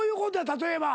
例えば。